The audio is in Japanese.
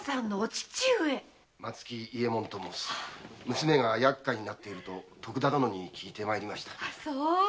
娘がやっかいになっていると徳田殿に聞いて参りました。